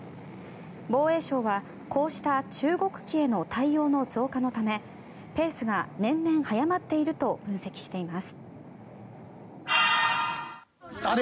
防衛省はこうした中国機への対応の増加のためペースが年々早まっていると分析しています。